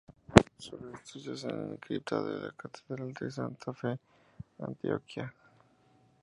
Sus restos yacen en la cripta de la Catedral de Santa fe de Antioquia.